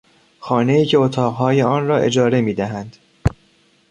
خانهای که اتاقهای آن را اجاره میدهند